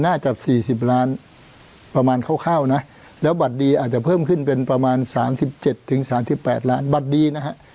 น่าจะ๔๐ล้านประมาณคร่าวนะแล้วบัตรดีอาจจะเพิ่มขึ้นเป็นประมาณ๓๗๓๘ล้านบัตรดีนะฮะ